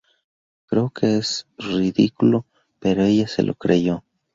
Creo que eso es ridículo, pero ella se lo creyó".